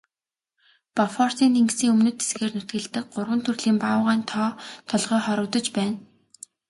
Бофортын тэнгисийн өмнөд хэсгээр нутагладаг гурван төрлийн баавгайн тоо толгой хорогдож байна.